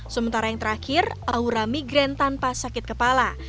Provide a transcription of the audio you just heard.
sementara yang terakhir aura migraine tanpa sakit kepala